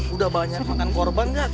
udah banyak yang makan korban gak tuh